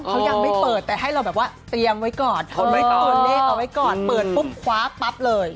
เขายังไม่เปิดแต่ให้เราแบบว่าเตรียมไว้ก่อนตัวเลขเอาไว้ก่อนเปิดปุ๊บคว้าปั๊บเลย